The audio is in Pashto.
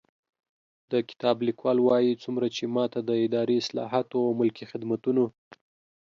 د کتاب لیکوال وايي، څومره چې ما ته د اداري اصلاحاتو او ملکي خدمتونو